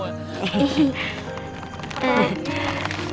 ini ada kadut